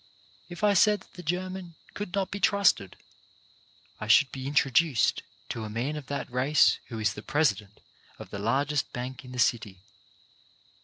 If I said that the German could not be trusted, I should be intro duced to a man of that race who is the president of the largest bank in the city.